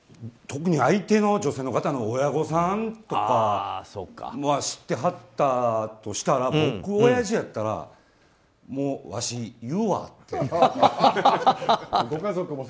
特に相手の女性の方の親御さんとかは知ってはったとしたら僕、おやじやったらもう、わし言うわって。